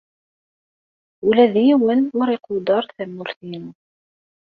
Ula d yiwen ur iquder tamurt-inu.